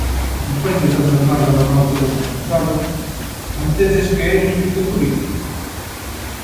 Despois desta xornada no banco dos acusados, mantedes que é un xuízo político?